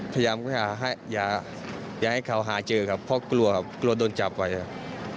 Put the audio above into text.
พยายามอย่าให้เขาหาเจอครับเพราะกลัวครับกลัวโดนจับไว้ครับ